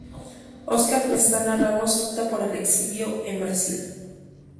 Óscar Pestana Ramos opta por el exilio en Brasil.